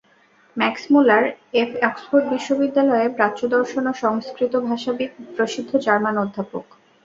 Max Müller, of Oxford বিশ্ববিদ্যালয়ের প্রাচ্যদর্শন ও সংস্কৃতভাষাবিৎ প্রসিদ্ধ জার্মান অধ্যাপক।